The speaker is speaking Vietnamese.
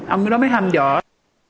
ông đó mới hâm dọa